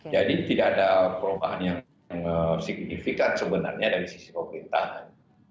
jadi tidak ada perubahan yang signifikan sebenarnya dari sisi pemerintahan